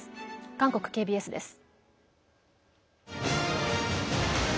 韓国ＫＢＳです。